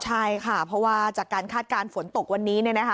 ใช่ค่ะเพราะว่าจากการคาดการณ์ฝนตกวันนี้